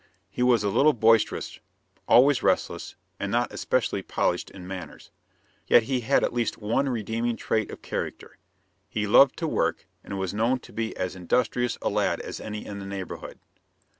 He was a little boisterous, always restless, and not especially polished in manners. Yet he had at least one redeeming trait of character: he loved to work and was known to be as industrious a lad as any in the neighborhood.